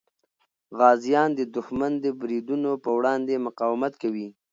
غازیان د دښمن د بریدونو په وړاندې مقاومت کوي.